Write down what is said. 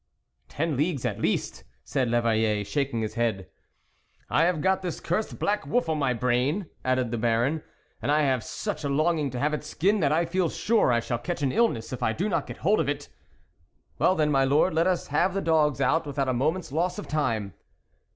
" Ten leagues at least," said 1'Eveille, shaking his head. " I have got this cursed black wolf on my brain," added the Baron, " and I have such a longing to have its skin, that I feel sure I shall catch an illness if I do not get hold of it." " Well then, my lord, let us have the dogs out without a moment's loss of time."